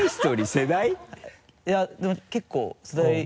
いやでも結構世代３０。